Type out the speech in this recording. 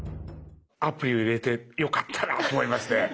アプリを入れてよかったなと思いますね。